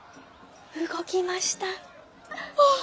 動きました！